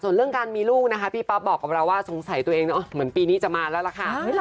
ในเรื่องการมีลูกพี่ปั๊บบอกจะเองสงสัยจะมาแล้วแหละค่ะ